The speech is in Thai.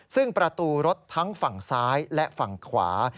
ซึ่งประตูรถทั้งฝั่งซ้ายและฝั่งขวา